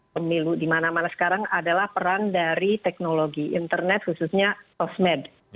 pemilu dimana mana sekarang adalah peran dari teknologi internet khususnya sosmed